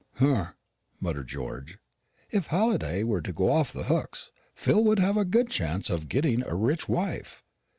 "Humph!" muttered George; "if Halliday were to go off the hooks, Phil would have a good chance of getting a rich wife."